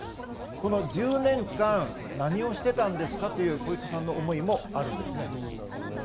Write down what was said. この１０年間、何をしてたんですかという小磯さんの思いもあるんなるほどね。